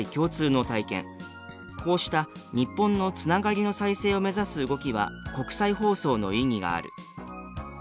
こうした日本のつながりの再生を目指す動きは国際放送の意義がある」。